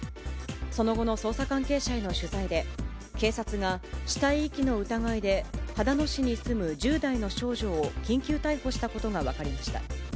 その後の捜査関係者への取材で、警察が死体遺棄の疑いで、秦野市に住む１０代の少女を緊急逮捕したことが分かりました。